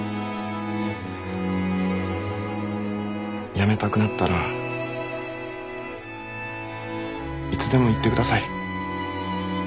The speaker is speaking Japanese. やめたくなったらいつでも言ってください。